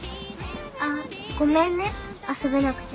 あっごめんね遊べなくて。